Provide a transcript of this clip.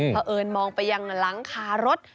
เผอิญมองไปยังหลังคารถ